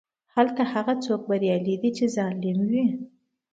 هلته هغه څوک بریالی دی چې ظالم وي.